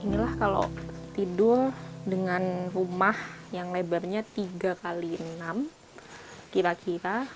inilah kalau tidur dengan rumah yang lebarnya tiga x enam kira kira